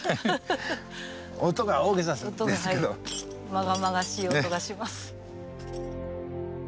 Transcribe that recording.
まがまがしい音がします。